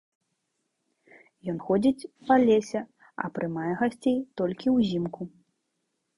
Ён ходзіць па лесе, а прымае гасцей толькі ўзімку.